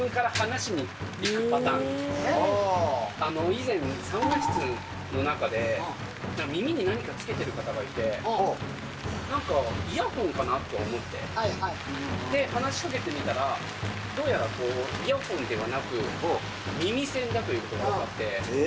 以前、サウナ室の中で、耳に何かつけている方がいて、なんか、イヤホンかなと思って、話しかけてみたら、どうやらイヤホンではなく、耳栓だということが分かって。